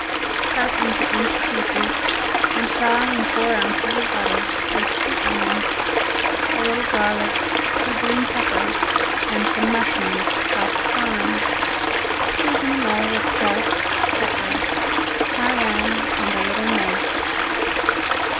Cut into inch pieces and fry in four ounces of butter, with two onions, a little garlic, two green peppers and some mushrooms, chopped fine, seasoning all with salt, pepper, cayenne, and a little mace.